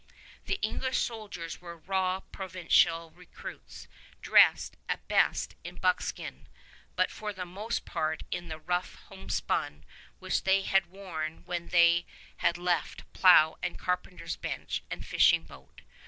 The English soldiers were raw provincial recruits, dressed, at best, in buckskin, but for the most part in the rough homespun which they had worn when they had left plow and carpenter's bench and fishing boat.